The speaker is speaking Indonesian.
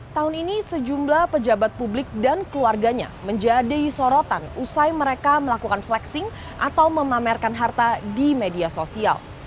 tahun ini sejumlah pejabat publik dan keluarganya menjadi sorotan usai mereka melakukan flexing atau memamerkan harta di media sosial